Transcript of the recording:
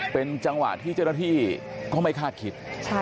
เป็นจังหวะที่เจ้าหน้าที่ก็ไม่คาดคิด